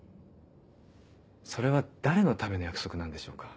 それは誰のための約束なんでしょうか？